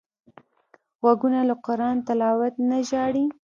غوږونه له قران تلاوت نه ژاړي